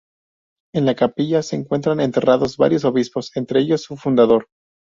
En la capilla se encuentran enterrados varios obispos, entre ellos su fundador.